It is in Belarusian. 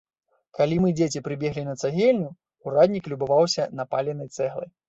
Калі мы, дзеці, прыбеглі на цагельню, ураднік любаваўся напаленай цэглай.